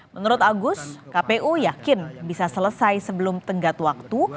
menurut agus kpu yakin bisa selesai sebelum tenggat waktu